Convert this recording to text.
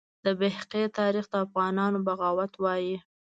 د بیهقي تاریخ د افغانانو بغاوت وایي.